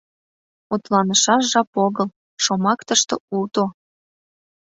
Мутланышаш жап огыл - шомак тыште уто.